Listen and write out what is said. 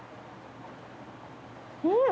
うん。